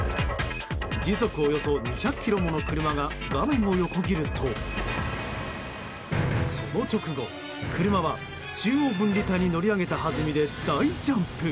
時速およそ２００キロもの車が画面を横切るとその直後、車は中央分離帯に乗り上げたはずみで大ジャンプ。